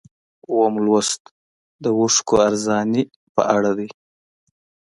اووم لوست د اوښکو ارزاني په اړه دی.